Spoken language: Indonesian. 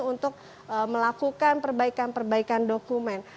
untuk melakukan perbaikan perbaikan dokumen